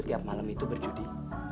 tiap malam itu berjudi